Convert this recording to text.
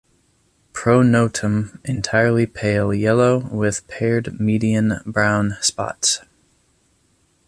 Pronotum entirely pale yellow with paired median brown spots.